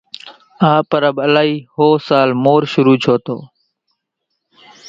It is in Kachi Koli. آ پرٻ الائي ۿو سال مور شرو ڇون تون